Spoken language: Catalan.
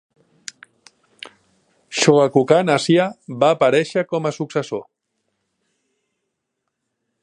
Shogakukan Asia va aparèixer com a successor.